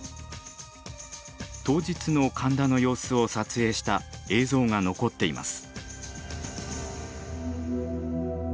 当日の神田の様子を撮影した映像が残っています。